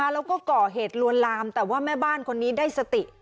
แล้วก็ก่อเหตุลวนลามแต่ว่าแม่บ้านคนนี้ได้สติ